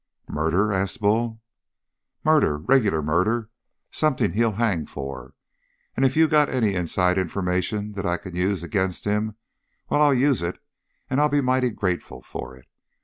"Murder?" asked Bull. "Murder regular murder something he'll hang for. And if you got any inside information that I can use agin' him, why I'll use it and I'll be mighty grateful for it!